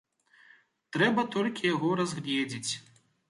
Трэба толькі яго разгледзець.